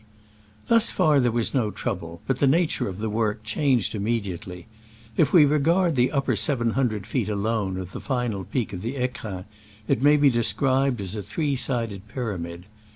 Thus far there was no trouble, but the nature of the work changed immediately. If we regard the upper seven hundred feet alone of the final peak of the £crins, it may be described as a three sided pyramid.